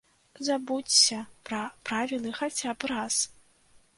Забудзься пра правілы хаця б раз.